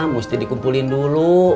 mesti dikumpulin dulu